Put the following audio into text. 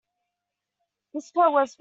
This coat is fur-lined.